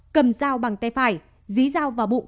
cầm dao bằng tay phải dí dao vào bụng